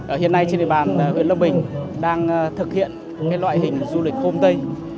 ở hiện nay trên địa bàn huyện lâm bình đang thực hiện loại hình du lịch hôm tây